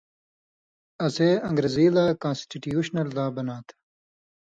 اسے اَن٘گرزی لا کانسٹِٹیوشنل لاء بناں تھہ۔